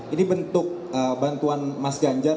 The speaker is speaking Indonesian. ini bentuk bantuan mas ganjar